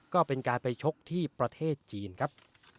ก็เป็นการไปชกที่ประเทศจีนครับ